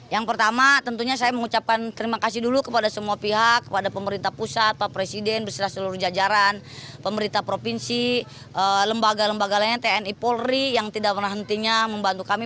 yang pertama tentunya saya mengucapkan terima kasih dulu kepada semua pihak kepada pemerintah pusat pak presiden bersama seluruh jajaran pemerintah provinsi lembaga lembaga lainnya tni polri yang tidak pernah hentinya membantu kami